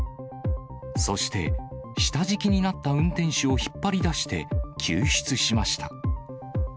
そして、下敷きになった運転手を引っ張り出して、救出しました。